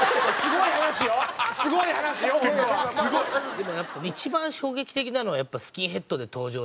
でもやっぱ一番衝撃的なのはスキンヘッドで登場して。